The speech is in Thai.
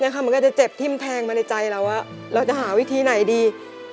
มันก็จะเจ็บทิ้มแทงมาในใจเราว่าเราจะหาวิธีไหนดี